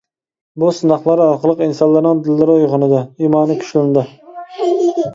بۇ سىناقلار ئارقىلىق ئىنسانلارنىڭ دىللىرى ئويغىنىدۇ، ئىمانى كۈچلىنىدۇ.